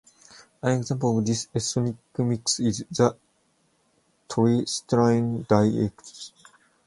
An example of this ethnic mix is the Triestine dialect.